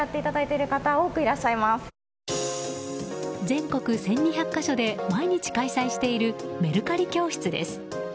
全国１２００か所で毎日開催しているメルカリ教室です。